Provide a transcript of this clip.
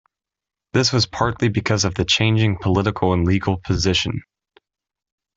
This was partly because of the changing political and legal position.